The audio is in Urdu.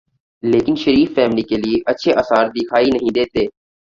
لیکن شریف فیملی کے لیے اچھے آثار دکھائی نہیں دیتے۔